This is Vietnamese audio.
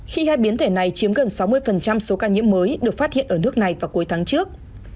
khi hai biến thể này chiếm gần sáu mươi số ca nhiễm mới được phát hiện ở nước này vào cuối tháng trước